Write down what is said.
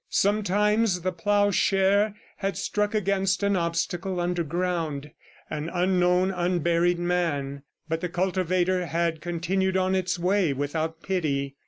Sometimes the ploughshare had struck against an obstacle underground ... an unknown, unburied man; but the cultivator had continued on its way without pity.